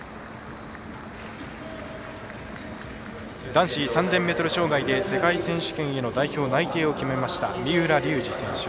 男子３０００ｍ障害で世界選手権への代表内定を決めました三浦龍司選手。